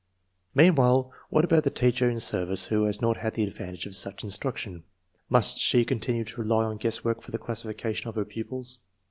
Meanwhile, what about the teacher in service who has not had the advantage of such instruction? Must she continue to rely on guesswork for the classifica tion of her pupils?